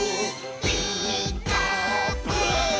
「ピーカーブ！」